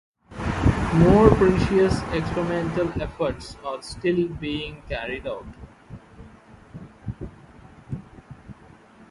More precise experimental efforts are still being carried out.